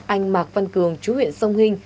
anh mạc văn cường chú huyện sông hinh